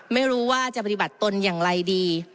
ไม่รู้ว่าจะปฏิบัติตนอย่างไรดี